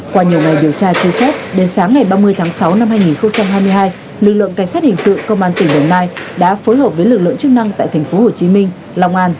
qua nhiều ngày điều tra chisel đến sáng ngày ba mươi tháng sáu năm hai nghìn hai mươi hai lực lượng cảnh sát hình sự công an tỉnh đồng nai đã phối hợp với lực lượng chức năng tại thành phố hồ chí minh lòng an tây ninh